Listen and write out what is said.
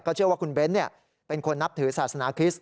เชื่อว่าคุณเบ้นเป็นคนนับถือศาสนาคริสต์